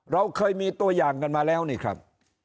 เราเคยมีตัวอย่างกันมาแล้วนี่ครับ